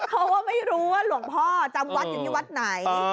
เขาก็ไม่รู้ว่าหลวงพ่อจำวัดอยู่ที่วัดไหน